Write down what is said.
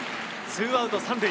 ツーアウト３塁。